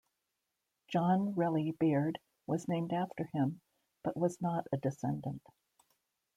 John Relly Beard was named after him, but was not a descendant.